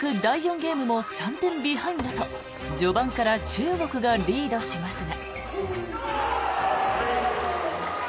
ゲームも３点ビハインドと序盤から中国がリードしますが。